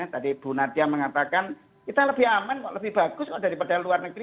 tadi bu nadia mengatakan kita lebih aman kok lebih bagus kok daripada luar negeri